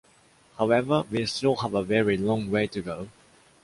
However, we still have a very long way to go.